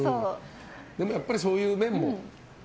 でもやっぱりそういう面も？